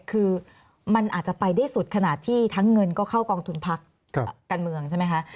คือมันอาจจะไปได้สุดขนาดที่ทั้งเงินก็เข้ากองทุนพักการเมืองใช่ไหมคะ